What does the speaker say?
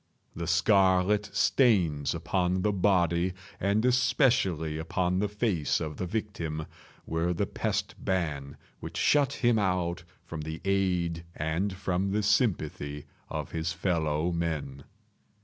The scarlet stains upon the body and especially upon the face of the victim, were the pest ban which shut him out from the aid and from the sympathy of his fellow men.